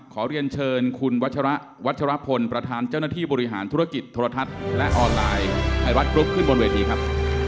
ขอเรียนเชิญคุณวัชระวัชรพลประธานเจ้าหน้าที่บริหารธุรกิจโทรทัศน์และออนไลน์ไทยรัฐกรุ๊ปขึ้นบนเวทีครับ